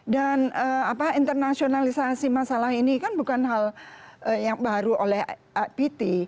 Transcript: dan internasionalisasi masalah ini kan bukan hal yang baru oleh apt